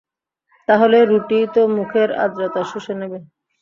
তাহলে, রুটিই তো মুখের আর্দ্রতা শুষে নেবে।